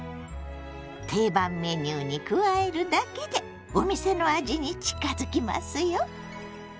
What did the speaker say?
定番メニューに加えるだけでお店の味に近づきますよ！